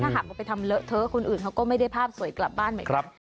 ถ้าหากเขาไปทำเลอะเท้อคนอื่นเขาก็ไม่ได้ภาพสวยกลับบ้านไหม